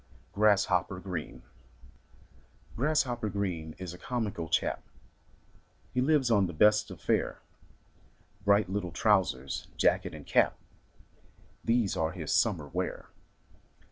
225 MY BOOK HOUSE Grasshopper Green is a comical chap; He Hves on the best of fare. Bright Httle trousers, jacket, and cap — These are his summer wear.